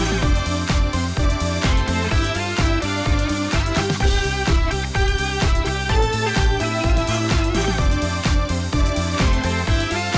ยังยังอีก